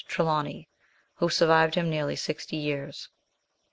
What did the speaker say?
Trelawny, who survived him nearly sixty years.